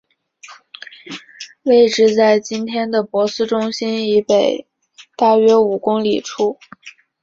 位置在今天的珀斯中心以北大约五公里处。